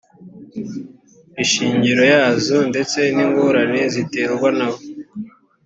ishingiro yazo ndetse n’ingorane ziterwa na bo